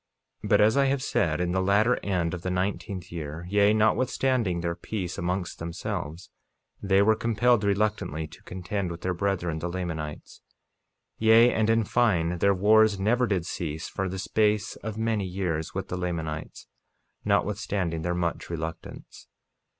48:21 But, as I have said, in the latter end of the nineteenth year, yea, notwithstanding their peace amongst themselves, they were compelled reluctantly to contend with their brethren, the Lamanites. 48:22 Yea, and in fine, their wars never did cease for the space of many years with the Lamanites, notwithstanding their much reluctance.